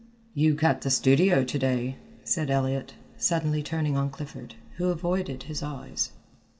"You cut the studio to day," said Elliott, suddenly turning on Clifford, who avoided his eyes.